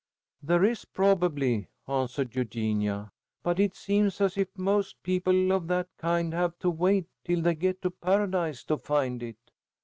"There is probably," answered Eugenia, "but it seems as if most people of that kind have to wait till they get to Paradise to find it."